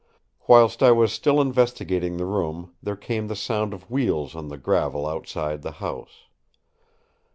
Whilst I was still investigating the room there came the sound of wheels on the gravel outside the house.